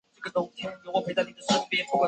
会议决定成立东北最高行政委员会。